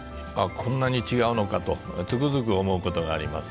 こんなに違うのかとつくづく思うことがあります。